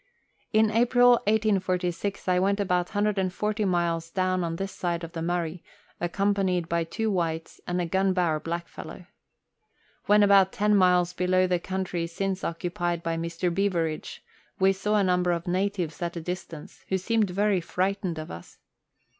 In April 184G I went about 140 miles down on this side of the Murray, accompanied by two whites and a Gunbower black fellow. When about ten miles below the country since occupied by Mr. Beveridge, we saw a number of natives at a distance, who seemed very frightened of us.